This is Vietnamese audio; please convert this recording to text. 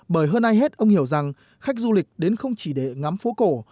bởi hơn ai hết ông hiểu rằng khách du lịch đến không chỉ để ngắm phố cổ